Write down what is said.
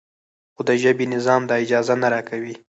خو د ژبې نظام دا اجازه نه راکوي.